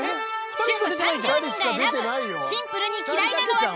主婦３０人が選ぶシンプルに嫌いなのは誰？